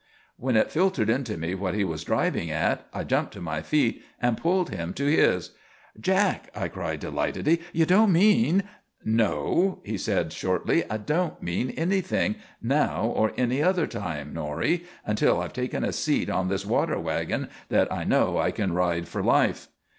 When it filtered into me what he was driving at I jumped to my feet and pulled him to his. "Jack," I cried delightedly, "you don't mean " "No," he said, shortly, "I don't mean anything, now or any other time, Norrie, until I've taken a seat on this water wagon that I know I can ride for life."